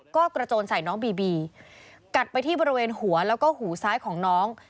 ก็กระโจนใส่น้องบีบีกัดไปที่บริเวณหัวแล้วก็หูซ้ายของน้อง